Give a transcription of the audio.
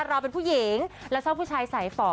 ว่าเราเป็นผู้หญิงแล้วชอบผู้ชายสายฟ